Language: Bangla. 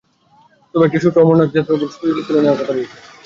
তবে একটি সূত্র অমরনাথ যাত্রার ওপর থেকে স্থগিতাদেশ তুলে নেওয়ার কথা জানিয়েছে।